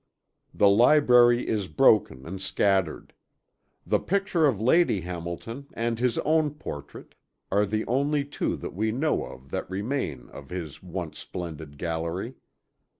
The library is broken and scattered. The picture of Lady Hamilton, and his own portrait, are the only two that we know of that remain of his once splendid gallery.